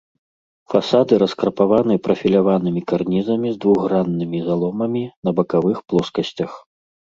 Фасады раскрапаваны прафіляванымі карнізамі з двухграннымі заломамі на бакавых плоскасцях.